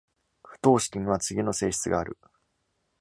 不等式には次の性質がある。